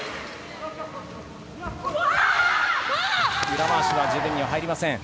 裏回しは十分には入りません。